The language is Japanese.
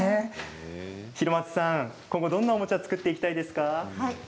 廣松さん、今後どんなおもちゃを作っていきたいですか。